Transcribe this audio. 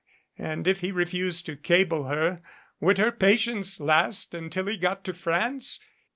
And if he refused to cable her would her patience last until he got to France?